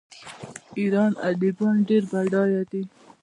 د ایران ادبیات ډیر بډایه دي.